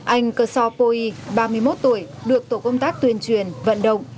anh ksopoi ba mươi một tuổi được tổ công tác tuyên truyền vận động